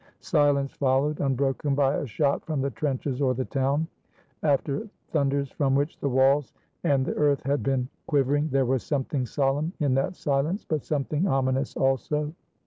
Silence followed, unbroken by a shot from the trenches or the town. After thunders from which the walls and 138 THE SURRENDER OF KAMENYETZ the earth had been quivering, there was something solemn in that silence, but something ominous also.